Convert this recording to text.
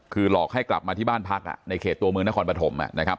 คือหลอกให้กลับมาที่บ้านพักในเขตตัวเมืองนครปฐมนะครับ